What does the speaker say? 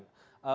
kalau iya kenapa